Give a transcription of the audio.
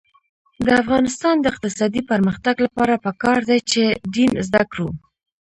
د افغانستان د اقتصادي پرمختګ لپاره پکار ده چې دین زده کړو.